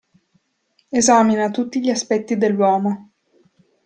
Esamina tutti gli aspetti dell'uomo.